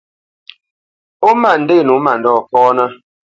Ó ma ndê nǒ mandɔ̂ kɔ́nə́.